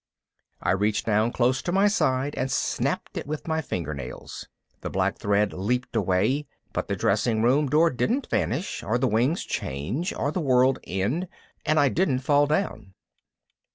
I reached down close to my side and snapped it with my fingernails. The black thread leaped away. But the dressing room door didn't vanish, or the wings change, or the world end, and I didn't fall down.